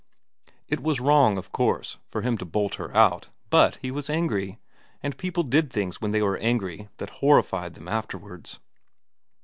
It was wrong, of course, for him to bolt her out, but he was angry, and people did things when they were angry that horrified them afterwards.